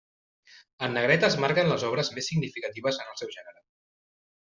En negreta es marquen les obres més significatives en el seu gènere.